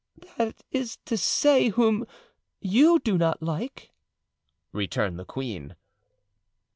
"That is to say, whom you do not like," returned the queen.